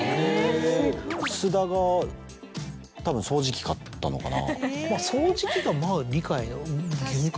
菅田がたぶん掃除機買ったのかな。